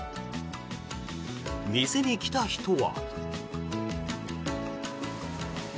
店に来た人は。